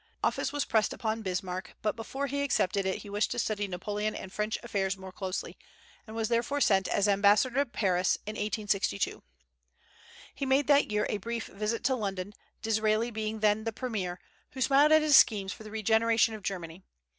Office was pressed upon Bismarck, but before he accepted it he wished to study Napoleon and French affairs more closely, and was therefore sent as ambassador to Paris in 1862. He made that year a brief visit to London, Disraeli being then the premier, who smiled at his schemes for the regeneration of Germany.